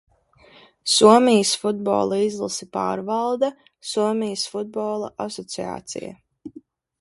Somijas futbola izlasi pārvalda Somijas Futbola asociācija.